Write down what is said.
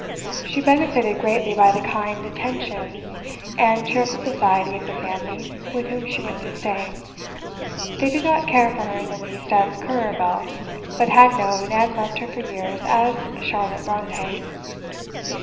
She benefited greatly by the kind attentions and cheerful society of the family with whom she went to stay. They did not care for her in the least as "Currer Bell," but had known and loved her for years as Charlotte Brontë.